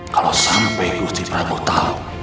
kalau sampai gusti prabu tahu